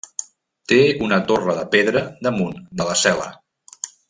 Té una torre de pedra damunt de la cel·la.